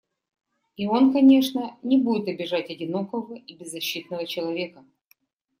И он, конечно, не будет обижать одинокого и беззащитного человека.